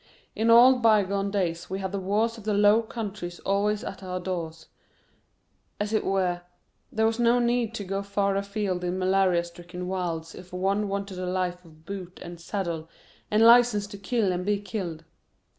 In old bygone days we had the wars in the Low Countries always at our doors, as it were; there was no need to go far afield into malaria stricken wilds if one wanted a life of boot and saddle and licence to kill and be killed.